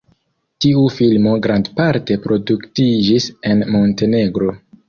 Tiu filmo grandparte produktiĝis en Montenegro.